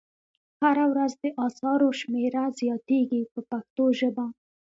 هره ورځ د اثارو شمېره زیاتیږي په پښتو ژبه.